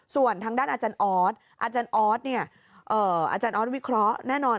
ส่วนทางด้านอาจารย์ออสอาจารย์ออสเนี่ยอาจารย์ออสวิเคราะห์แน่นอน